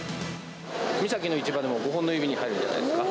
三崎の市場でも、５本の指に入るんじゃないですか。